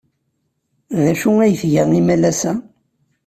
D acu ay tga imalas-a?